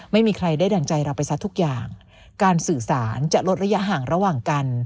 ไม่มีใครได้ดั่งใจเราไปซะทุกอย่างการสื่อสารจะลดระยะห่างระหว่างกัน